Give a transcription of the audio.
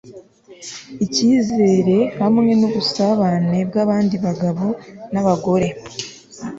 ikizere hamwe nubusabane bwabandi bagabo nabagore